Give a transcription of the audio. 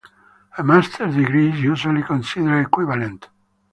A Master's degree is usually considered equivalent.